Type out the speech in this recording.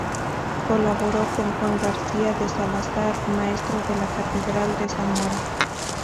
Colaboró con Juan García de Salazar, maestro de la Catedral de Zamora.